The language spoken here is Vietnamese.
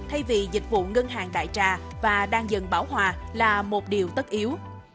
thay vì dịch vụ ngân hàng đại trà và đang dần bảo hòa là một điều tất yếu